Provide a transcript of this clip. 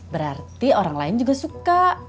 berarti orang lain juga suka